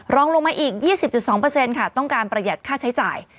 รองลงมาอีก๒๐๒ค่ะต้องการประหยัดค่าใช้จ่าย